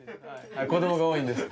子供が多いんです。